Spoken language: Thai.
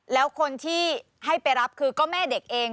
แล้วคนที่ให้ไปรับคือก็แม่เด็กเอง